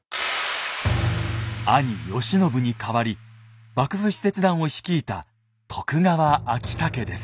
兄・慶喜に代わり幕府使節団を率いた徳川昭武です。